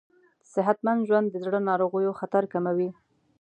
صحتمند ژوند د زړه ناروغیو خطر کموي.